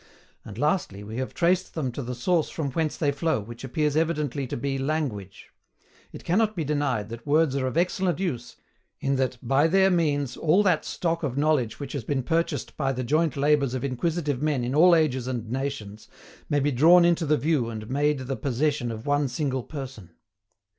And lastly, we have traced them to the source from whence they flow, which appears evidently to be language. It cannot be denied that words are of excellent use, in that by their means all that stock of knowledge which has been purchased by the joint labours of inquisitive men in all ages and nations may be drawn into the view and made the possession of one single person.